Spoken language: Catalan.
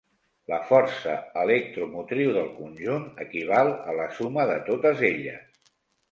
La força electromotriu del conjunt equival a la suma de totes elles.